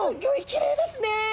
きれいですね。